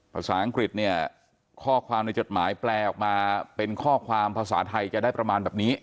ภาษาอังกฤษเนี่ยข้อความในจดหมายแปลออกมาเป็นข้อความภาษาไทยจะได้ประมาณแบบนี้